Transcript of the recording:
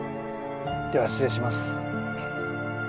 では失礼します。